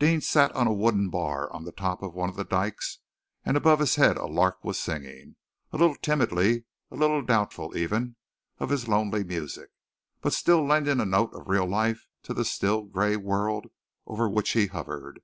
Deane sat on a wooden bar on the top of one of the dykes, and above his head a lark was singing, a little timidly, a little doubtful, even, of his lonely music, but still lending a note of real life to the still, gray world over which he hovered.